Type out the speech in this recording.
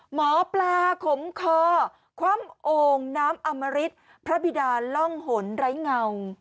หมอปลาขมคอคว่ำโอ่งน้ำอมริตพระบิดาล่องหนไร้เงา